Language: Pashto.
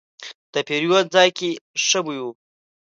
د پیرود ځای کې ښه بوی و.